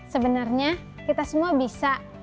sebenarnya kita semua bisa